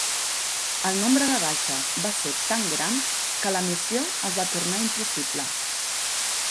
El nombre de baixes va ser tan gran que la missió es va tornar impossible.